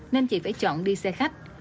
nên chị phải chọn đi xe khách